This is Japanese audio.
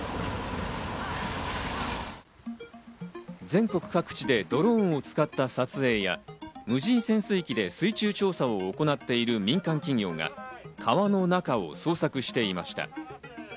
全国各地でドローンを使った撮影や、無人潜水機で水中捜査を行っている民間企業が川の中を捜索していました。